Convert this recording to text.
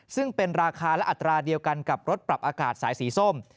ซึ่งเป็นราคาและอัตราเดียวกันกับรถปรับอากาศสายสีส้ม